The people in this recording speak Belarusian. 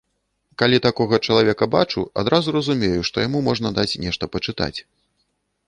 Калі такога чалавека бачу, адразу разумею, што яму можна даць нешта пачытаць.